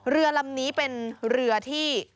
เรือลำนี้เป็นเรือที่